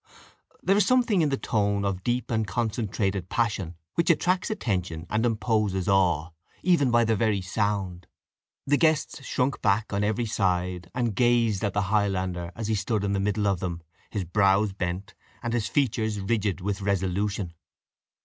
There is something in the tone of deep and concentrated passion which attracts attention and imposes awe, even by the very sound. The guests shrunk back on every side, and gazed at the Highlander as he stood in the middle of them, his brows bent, and his features rigid with resolution.